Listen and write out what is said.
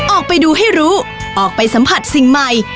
ออกไปดูให้รู้ออกไปสัมผัสสิ่งใหม่